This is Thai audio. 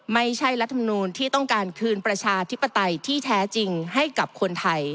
รัฐมนูลที่ต้องการคืนประชาธิปไตยที่แท้จริงให้กับคนไทย